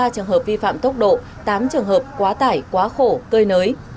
ba mươi ba trường hợp vi phạm tốc độ tám trường hợp quá tải quá khổ cơi nới